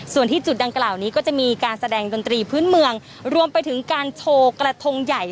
ส่วนที่จุดดังกล่าวนี้ก็จะมีการแสดงดนตรีพื้นเมืองรวมไปถึงการโชว์กระทงใหญ่